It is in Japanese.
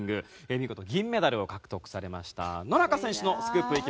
見事銀メダルを獲得されました野中選手のスクープいきましょう。